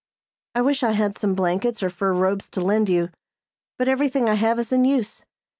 "I wish I had some blankets or fur robes to lend you, but everything I have is in use.